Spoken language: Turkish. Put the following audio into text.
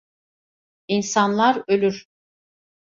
İnsanlar ölür.